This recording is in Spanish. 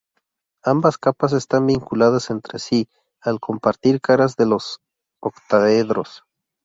Ambas capas están vinculadas entre sí al compartir caras de los octaedros.